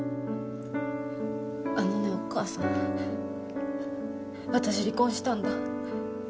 あのねお母さん私離婚したんだ。